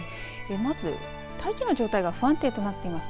まず大気の状態が不安定となっています。